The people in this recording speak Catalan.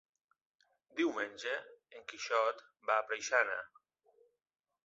Diumenge en Quixot va a Preixana.